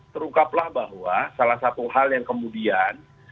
terungkaplah bahwa salah satu hal yang kemudian